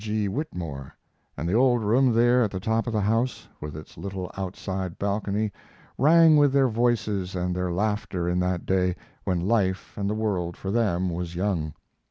G. Whitmore; and the old room there at the top of the house, with its little outside balcony, rang with their voices and their laughter in that day when life and the world for them was young.